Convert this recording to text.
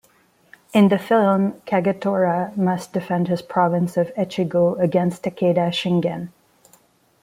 In the film, Kagetora must defend his province of Echigo against Takeda Shingen.